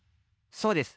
そうです。